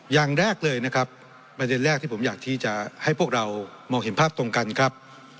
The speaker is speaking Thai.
อย่างแรกเลยนะครับประเด็นแรกที่ผมอยากที่จะให้พวกเรามองเห็นภาพตรงกันครับ